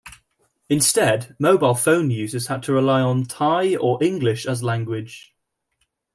Instead, mobile phone users had to rely on Thai or English as language.